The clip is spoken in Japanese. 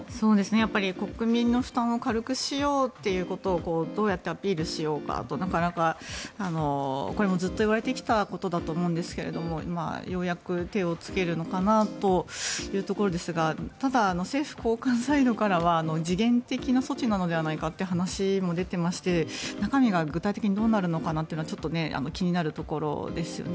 やはり国民の負担を軽くしようということをどうやってアピールしようかとなかなかこれもずっと言われてきたことと思うんですがようやく手をつけるのかなというところですがただ、政府高官サイドからは時限的な措置なのではないかという話も出ていまして、中身が具体的にどうなるのかなってちょっと気になるところですよね。